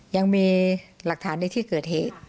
ยังมีหลักฐานในที่เกิดเหตุ